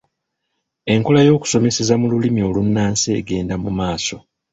Enkola y’okusomeseza mu Lulimi olunnansi egenda mu maaso.